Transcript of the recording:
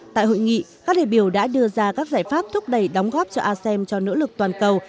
tại hội nghị các đại biểu đã đưa ra các giải pháp thúc đẩy đóng góp cho asem cho nỗ lực toàn cầu